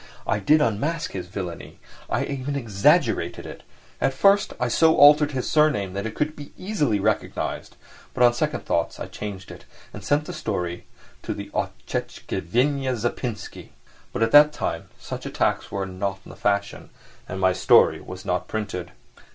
I did unmask his villainy, I even exaggerated it; at first I so altered his surname that it could easily be recognised, but on second thoughts I changed it, and sent the story to the Otetchestvenniya Zapiski. But at that time such attacks were not the fashion and my story was not printed.